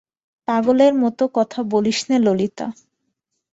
পাগলের মতো কথা বলিস নে ললিতা!